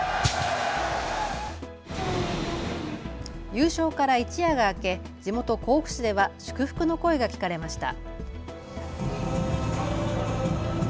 優勝から一夜が明け地元甲府市では祝福の声が聞かれました。